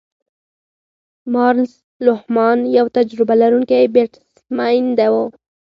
مارنس لوهمان یو تجربه لرونکی بیټسمېن وو.